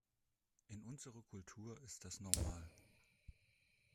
In unserer Kultur ist das normal.